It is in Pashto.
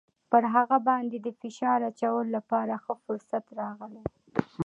پر هغه باندې د فشار اچولو لپاره ښه فرصت راغلی.